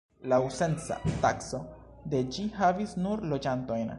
Laŭ censa takso de ĝi havis nur loĝantojn.